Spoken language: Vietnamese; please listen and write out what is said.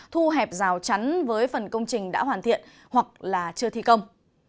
thu hẹp rào chắn với phần công trình đã hoàn thiện hoặc là chưa thi công